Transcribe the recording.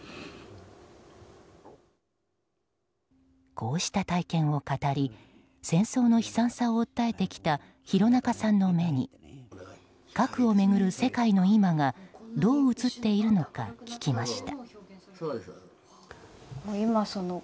こうした体験を語り戦争の悲惨さを訴えてきた廣中さんの目に核を巡る世界の今はどう映っているのか聞きました。